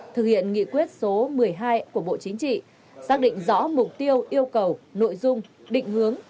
thực hiện nghị quyết số một mươi hai của bộ chính trị xác định rõ mục tiêu yêu cầu nội dung định hướng